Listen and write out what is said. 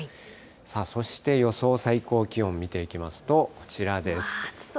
さあ、そして予想最高気温、見ていきますと、こちらです。